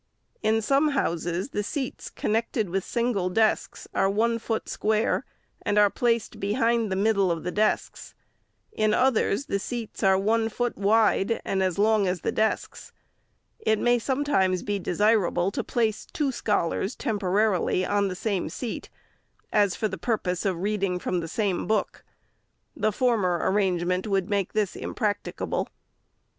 In some houses, the seats con nected with single desks are one foot square, and are placed behind the middle of the desks ; in others the seats are one foot wide and as long as the desks. It may sometimes be desirable to place two scholars temporarily on the same seat, as for the purpose of reading from the same book. The former arrangement would make this impracticable.